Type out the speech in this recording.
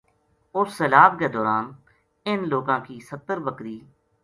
اُس سیلاب کے دوران اِن لوکا ں کی ستر بکری